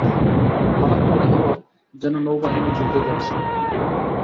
হঠাৎ মনে হল, যেন নৌবাহিনী যুদ্ধে যাচ্ছে।